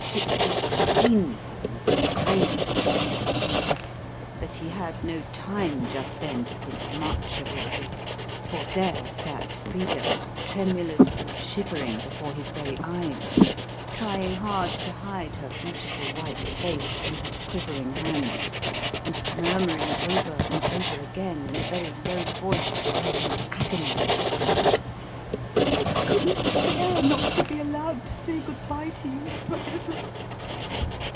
It was painful and degrading. But he had no time just then to think much of all this, for there sat Frida, tremulous and shivering before his very eyes, trying hard to hide her beautiful white face in her quivering hands, and murmuring over and over again in a very low voice, like an agonised creature, "I couldn't BEAR not to be allowed to say good bye to you for ever."